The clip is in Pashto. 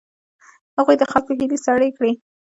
هغوی د خلکو هیلې سړې کړې.